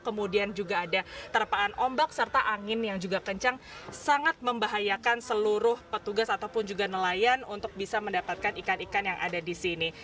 kemudian juga ada terpaan ombak serta angin yang juga kencang sangat membahayakan seluruh petugas ataupun juga nelayan untuk bisa mendapatkan ikan ikan yang ada di sini